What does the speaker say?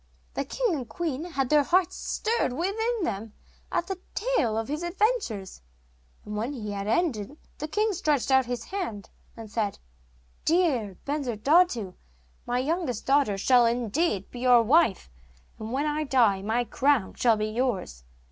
The king and queen had their hearts stirred within them at the tale of his adventures, and when he had ended the king stretched out his hand, and said: 'Dear Bensurdatu, my youngest daughter shall indeed be your wife; and when I die my crown shall be yours.